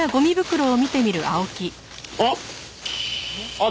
あっ！